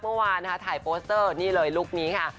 เมื่อวานนะคะถ่ายโปสเตอร์นี่เลยลุคนี้ค่ะ